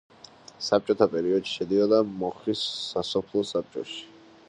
საბჭოთა პერიოდში შედიოდა მოხის სასოფლო საბჭოში.